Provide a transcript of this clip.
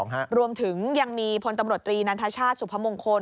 หรือพลตำรวจตรีนัทชาตสุสมงคล